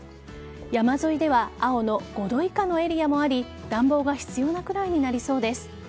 山沿いでは青の５度以下のエリアもあり暖房が必要なくらいになりそうです。